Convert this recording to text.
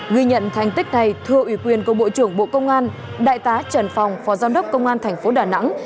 ghi nhận thành tích này thưa ủy quyền của bộ trưởng bộ công an đại tá trần phòng phó giám đốc công an thành phố đà nẵng